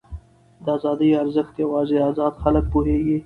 د ازادۍ ارزښت یوازې ازاد خلک پوهېږي.